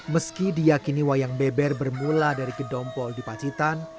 meski diyakini wayang beber bermula dari gedompol di pacitan